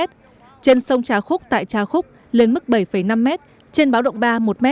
trên sông trà khúc tại trà khúc lên mức bảy năm m trên báo động ba một m